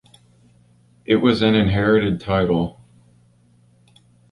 It was an inherited title.